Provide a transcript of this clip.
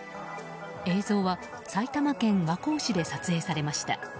映像は埼玉県和光市で撮影されました。